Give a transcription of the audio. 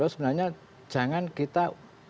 sebenarnya jangan kita